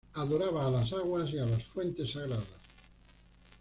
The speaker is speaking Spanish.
Adoraban a las aguas y a las fuentes sagradas.